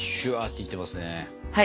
はい。